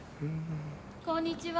こんにちは。